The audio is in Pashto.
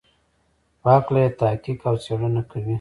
په هکله یې تحقیق او څېړنه کوي.